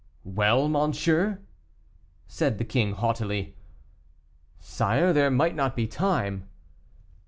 "Well, monsieur?" said the king haughtily. "Sire, there might not be time."